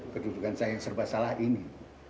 kedudukan saya yang serba salah ini